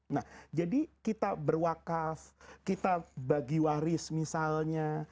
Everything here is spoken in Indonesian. nah jadi kita berwakaf kita bagi waris misalnya